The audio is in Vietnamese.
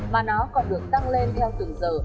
mà nó còn được tăng lên theo từng giờ